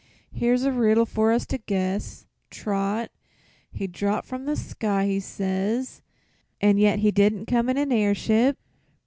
"Here's a riddle for us to guess, Trot. He dropped from the sky, he says, an' yet he did'nt come in a airship!